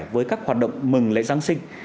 với các hoạt động mừng lễ giáng sinh